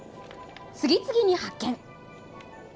次々に発見。